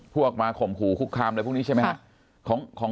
พวกมาข่มหูคุกคามแล้วพรุ่งนี้ใช่ไหมครับ